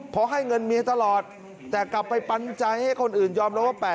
เพราะให้เงินเมียตลอดแต่กลับไปปันใจให้คนอื่นยอมแล้วว่า